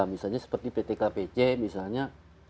misalnya seperti ptkpc misalnya